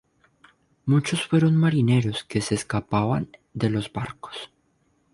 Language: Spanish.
Muchos fueron marineros que escapaban de los barcos.